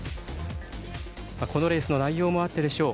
このレースの印象もあってでしょう